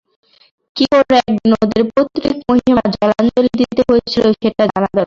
কী করে একদিন ওদের পৈতৃক মহিমা জলাঞ্জলি দিতে হয়েছিল সেটা জানা দরকার।